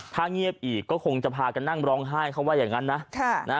ถ้าเงียบอีกก็คงจะพากันนั่งร้องไห้เขาว่าอย่างนั้นนะ